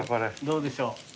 どうでしょう？